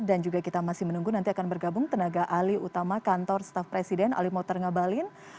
dan juga kita masih menunggu nanti akan bergabung tenaga ahli utama kantor staff presiden alimotar ngabalin